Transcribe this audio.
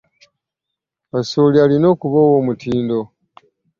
Kassoli alina okuba owomutindo.